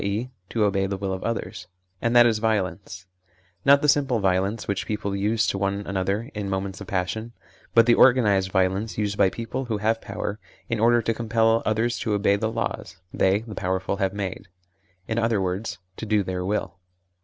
e. to obey the will of others) and that is violence ; not the simple violence which people use to one another in moments of passion, but the organised violence used by people who have power, in order to compel others to obey the laws they (the powerful) have made in other words, to do their will.